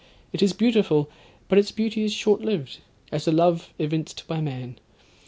It is beautiful, but its beauty is short lived, as the love evinced by man.